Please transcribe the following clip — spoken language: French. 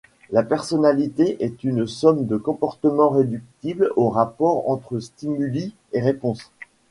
La personnalité est une somme de comportements réductibles aux rapports entre stimuli et réponses.